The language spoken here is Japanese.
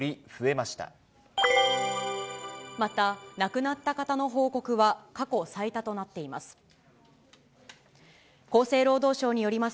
また、亡くなった方の報告は過去最多となっています。